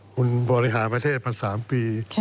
คุณบริหารประเทศมา๓ปี